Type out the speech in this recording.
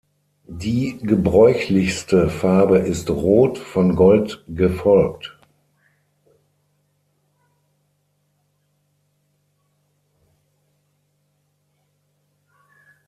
Die gebräuchlichste Farbe ist Rot von Gold gefolgt.